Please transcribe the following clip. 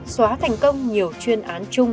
xóa thành công nhiều chuyên án chung